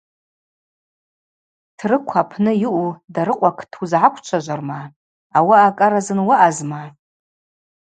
Трыкв апны йаъу Дарыкъвакт уызгӏаквчважварма, ауаъа кӏаразын уаъазма?